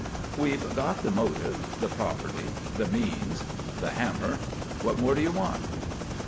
"We've got the motive, the property; and the means, the hammer. What more do you want?"